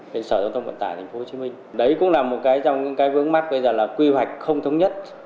về sở giao thông vận tải tp hcm đấy cũng là một cái trong những cái vướng mắt bây giờ là quy hoạch không thống nhất